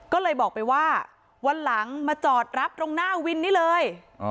ก็เลยบอกไปว่าวันหลังมาจอดรับตรงหน้าวินนี่เลย